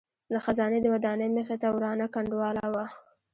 د خزانې د ودانۍ مخې ته ورانه کنډواله وه.